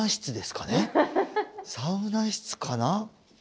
サウナ室かな？